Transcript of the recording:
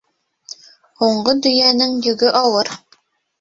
Һуңғы дөйәнең йөгө ауыр.